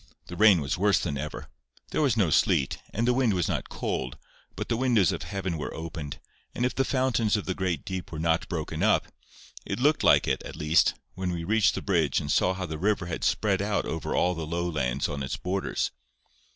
The rain was worse than ever. There was no sleet, and the wind was not cold, but the windows of heaven were opened, and if the fountains of the great deep were not broken up, it looked like it, at least, when we reached the bridge and saw how the river had spread out over all the low lands on its borders.